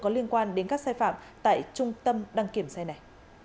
có liên quan đến các sai phạm tại trung tâm đăng kiểm xe này